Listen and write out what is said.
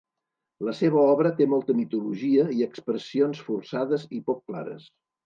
La seva obra té molta mitologia i expressions forçades i poc clares.